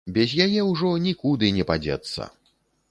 Без яе ўжо нікуды не падзецца.